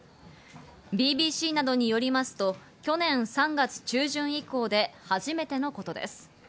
ＢＢＣなどによりますと、去年３月中旬以降で初めてのことです。